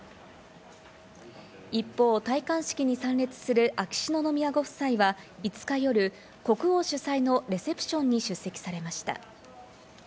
一方、戴冠式に参列する秋篠宮ご夫妻は、５日夜、国王主催のレセプションに出席されました。